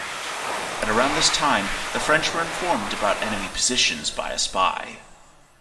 At around this time, the French were informed about enemy positions by a spy.